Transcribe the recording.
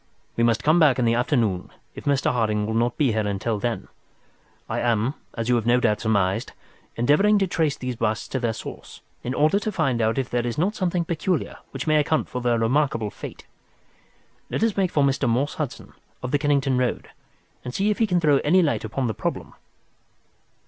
"We must come back in the afternoon, if Mr. Harding will not be here until then. I am, as you have no doubt surmised, endeavouring to trace these busts to their source, in order to find if there is not something peculiar which may account for their remarkable fate. Let us make for Mr. Morse Hudson, of the Kennington Road, and see if he can throw any light upon the problem."